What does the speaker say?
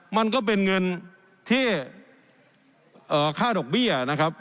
มันก็เป็นเงินที่ค่าดอกเบี้ยนะครับ